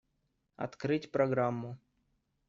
Открыть программу.